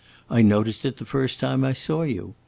I noticed it the first time I saw you.